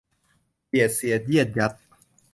เบียดเสียดเยียดยัด